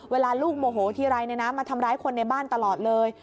เวลาลูกโมโหทีไรมาทำร้ายคนในบ้านตลอดเลย